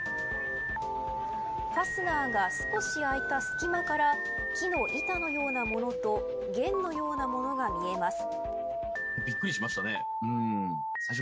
ファスナーが少し開いた隙間から木の板のようなものと弦のようなものが見えます。